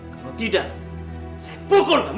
kalo tidak saya pukul kamu ya